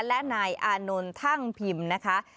และนายอานนท์ท่างพิมพ์นะคะ